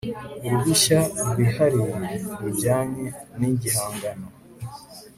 uruhushya rwihariye rujyanye n igihangano